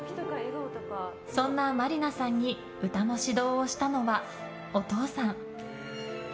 そんな真里奈さんに歌の指導をしたのは、お父さん。